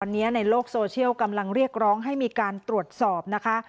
วันนี้ในโลกโซเชียลกำลังเรียกร้องให้มีการตรวจสอบนะคะ